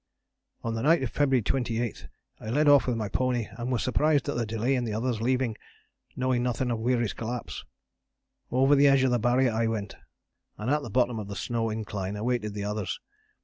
"On the night of February 28 I led off with my pony and was surprised at the delay in the others leaving knowing nothing of Weary's collapse. Over the edge of the Barrier I went, and at the bottom of the snow incline awaited the others.